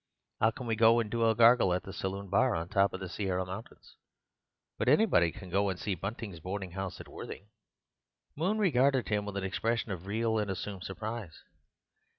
'Ow can we go and do a gargle at the saloon bar on top of the Sierra Mountains? But anybody can go and see Bunting's boarding house at Worthing." Moon regarded him with an expression of real or assumed surprise.